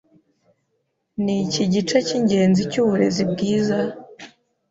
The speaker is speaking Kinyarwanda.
Niki gice cyingenzi cyuburezi bwiza?